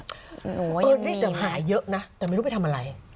ปืนนี่แต่หายเยอะนะแต่ไม่รู้ไปทำอะไร